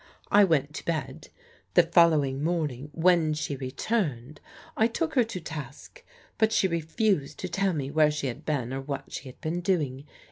I went to bed. The following morning when she returned, I took her to task, but she refused to tell me where she had been or what she had been doing.